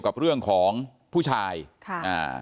โปรดติดตามต่อไป